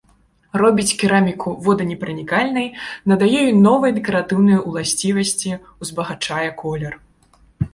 Робіць кераміку воданепранікальнай, надае ёй новыя дэкаратыўныя ўласцівасці, узбагачае колер.